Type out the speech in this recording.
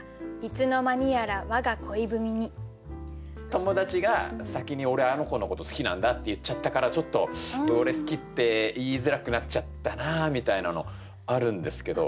友達が先に「俺あの子のこと好きなんだ」って言っちゃったからちょっと俺好きって言いづらくなっちゃったなあみたいなのあるんですけど。